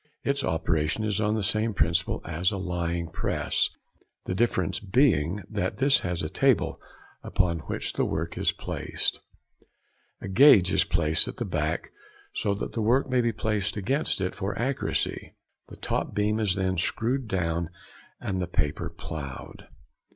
Its operation is on the same principle as a lying press, the difference being, that this has a table upon which the work is placed; a gauge is placed at the back so that the work may be placed against it for accuracy, the top beam is then screwed down and the paper ploughed.